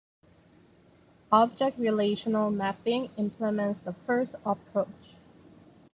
Object-relational mapping implements the first approach.